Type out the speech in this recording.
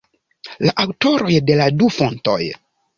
La aŭtoroj de la du fontoj.